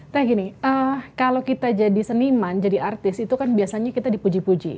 teh gini kalau kita jadi seniman jadi artis itu kan biasanya kita dipuji puji